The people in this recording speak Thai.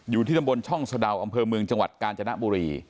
อยู่ที่ดำบลช่องสดัวอำเฟิร์มจังหวัดกาญจณะบุรี